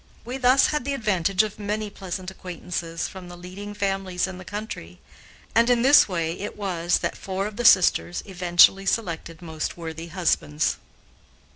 We thus had the advantage of many pleasant acquaintances from the leading families in the country, and, in this way, it was that four of the sisters eventually selected most worthy husbands.